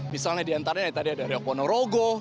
misalnya di antaranya tadi ada rokpono rogo